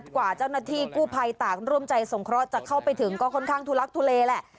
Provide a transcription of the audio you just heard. กว่าเจ้าหน้าที่กู้ภัยต่างร่วมใจสงเคราะห์จะเข้าไปถึงก็ค่อนข้างทุลักทุเลแหละ